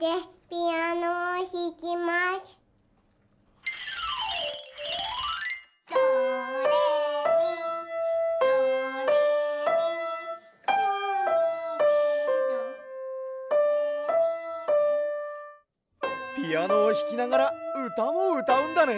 ピアノをひきながらうたをうたうんだね！